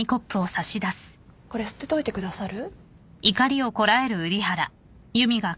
これ捨てといてくださる？